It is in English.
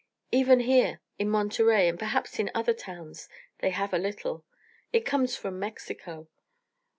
Even here, in Monterey, and perhaps the other towns, they have a little it comes from Mexico.